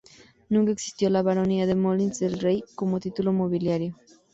Nunca existió la "Baronía de Molins de Rey", como título nobiliario.